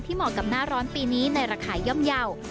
เหมาะกับหน้าร้อนปีนี้ในราคาย่อมเยาว์